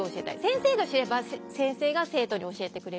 先生が知れば先生が生徒に教えてくれるだろうし。